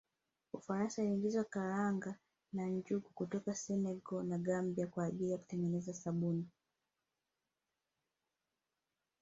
Ufaransa iliingiza karanga na njugu kutoka Senegal na Gambia kwa ajili ya kutengeneza sabuni